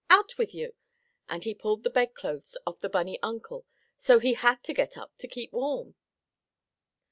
"Out with you!" and he pulled the bed clothes off the bunny uncle so he had to get up to keep warm.